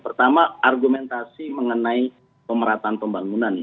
pertama argumentasi mengenai pemerataan pembangunan